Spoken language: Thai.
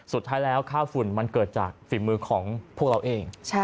สุดท้ายแล้วค่าฝุ่นมันเกิดจากฝีมือของพวกเราเอง